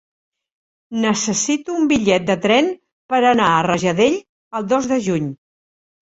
Necessito un bitllet de tren per anar a Rajadell el dos de juny.